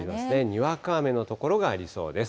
にわか雨の所がありそうです。